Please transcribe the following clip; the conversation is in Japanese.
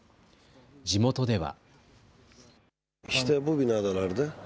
地元では。